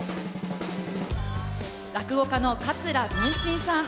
落語家の桂文珍さん。